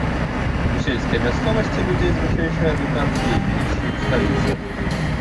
У сельскай мясцовасці людзей з вышэйшай адукацыяй менш, чым у сталіцах.